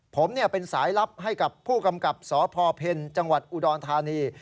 ผมเป็นสายลับให้กับผู้กำกับสพเพ็ญจังหวัดอุดรธานี